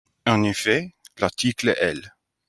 En effet, l’article L.